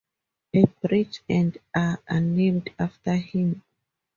A bridge and a are named after him.